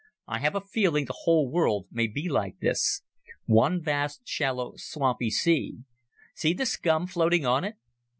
"I have a feeling the whole world may be like this ... one vast, shallow, swampy sea. See the scum floating on it?"